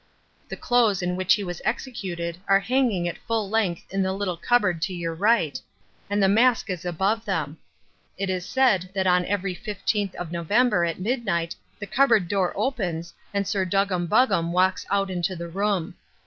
The clothes in which he was executed are hanging at full length in the little cupboard to your right, and the mask is above them. It is said that on every fifteenth of November at midnight the cupboard door opens and Sir Duggam Buggam walks out into the room.